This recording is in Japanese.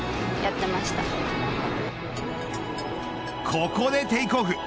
ここでテークオフ。